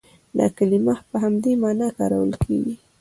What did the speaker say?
دا کلمه په همدې معنا کارول کېږي.